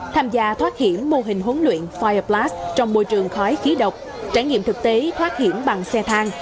tham gia thoát hiểm mô hình huấn luyện fire plas trong môi trường khói khí độc trải nghiệm thực tế thoát hiểm bằng xe thang